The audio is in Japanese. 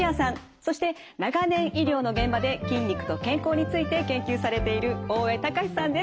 そして長年医療の現場で筋肉と健康について研究されている大江隆史さんです。